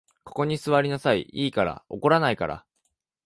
ここに坐りなさい、いいから。怒らないから。